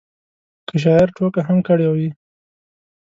که شاعر ټوکه هم کړې وي.